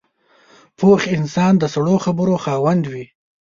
پوخ انسان د سړو خبرو خاوند وي